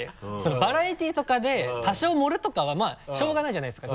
バラエティーとかで多少盛るとかはしょうがないじゃないですか。